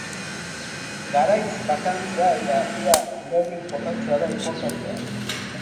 Garaiz bakantzea eta ura neurriz botatzea da inportantea.